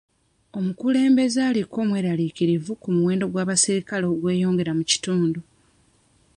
Omukulembeze aliko mweraliikirivu ku muwendo gw'abasirikale ogweyongera mu kitundu